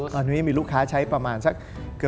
ตอนนี้มีลูกค้าใช้ประมาณสัก